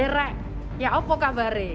rek apa kabar